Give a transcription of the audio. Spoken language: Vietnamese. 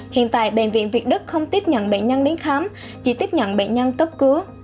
hiện tại bệnh viện việt đức không tiếp nhận bệnh nhân đến khám chỉ tiếp nhận bệnh nhân cấp cứu